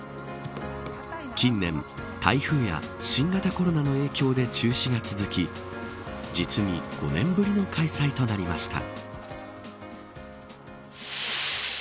近年、台風や新型コロナの影響で中止が続き実に５年ぶりの開催となりました。